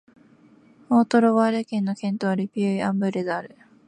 オート＝ロワール県の県都はル・ピュイ＝アン＝ヴレである